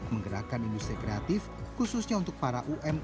menggerakan industri kreatif khususnya untuk para umks